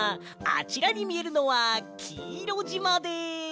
あちらにみえるのはきいろじまです！